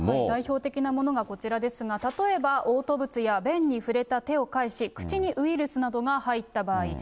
代表的なものがこちらですが、例えば、おう吐物や便に触れた手を介し、口にウイルスなどが入った場合。